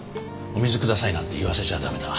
「お水ください」なんて言わせちゃ駄目だ。